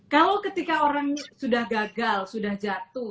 kalau ketika orang sudah gagal sudah jatuh